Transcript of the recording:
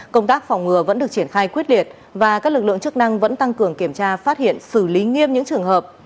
công tác phòng ngừa vẫn được triển khai quyết liệt và các lực lượng chức năng vẫn tăng cường kiểm tra phát hiện xử lý nghiêm những trường hợp